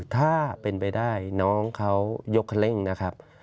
ถ้าเป็นไปได้น้องเขายกเร่งนะครับ